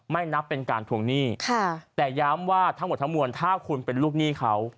นับเป็นการทวงหนี้ค่ะแต่ย้ำว่าทั้งหมดทั้งมวลถ้าคุณเป็นลูกหนี้เขา